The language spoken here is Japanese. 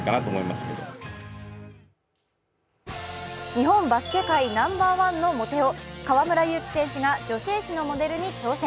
日本バスケ界ナンバーワンのモテ男、河村勇輝選手が女性誌のモデルに挑戦。